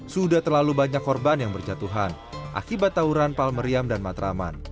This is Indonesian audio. sudah terlalu banyak korban yang berjatuhan akibat tawuran palmeriam dan matraman